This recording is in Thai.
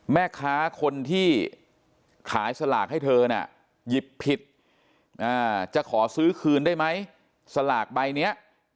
แม่ค้าคนที่ขายสลากให้เธอน่ะหยิบผิดจะขอซื้อคืนได้ไหมสลากใบเนี้ย